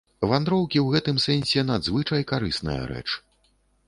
Вандроўкі ў гэтым сэнсе надзвычай карысная рэч.